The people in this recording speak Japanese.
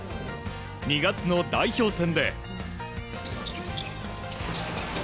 ２月の代表戦で。